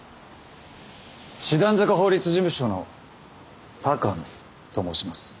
師団坂法律事務所の鷹野と申します。